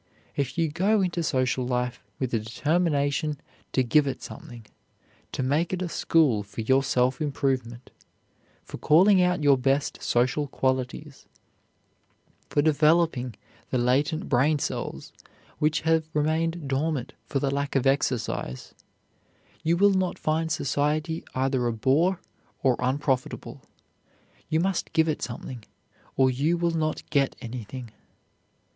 If you go into social life with a determination to give it something, to make it a school for self improvement, for calling out your best social qualities, for developing the latent brain cells, which have remained dormant for the lack of exercise, you will not find society either a bore or unprofitable. But you must give it something, or you will not get anything.